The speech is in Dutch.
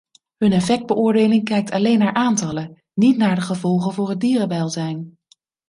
Hun effectbeoordeling kijkt alleen naar aantallen, niet naar de gevolgen voor het dierenwelzijn.